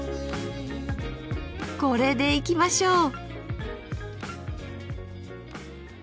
これでいきましょう！